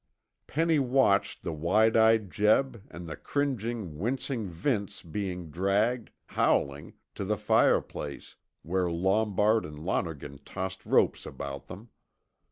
Penny watched the wide eyed Jeb and the cringing, wincing Vince being dragged, howling, to the fireplace, where Lombard and Lonergan tossed ropes about them.